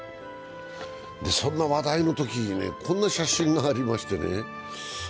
そんな話題のときにこんな写真がありましてね。